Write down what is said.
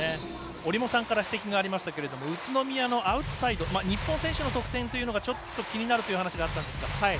折茂さんから指摘がありましたけど宇都宮のアウトサイド日本選手の得点が気になるという話があったんですが。